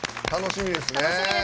楽しみですね。